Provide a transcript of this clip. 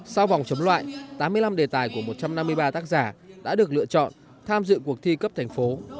sau vòng chấm loại tám mươi năm đề tài của một trăm năm mươi ba tác giả đã được lựa chọn tham dự cuộc thi cấp thành phố